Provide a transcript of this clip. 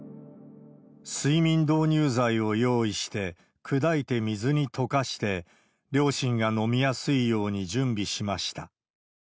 睡眠導入剤を用意して、砕いて水に溶かして、両親が飲みやすいように準備しました。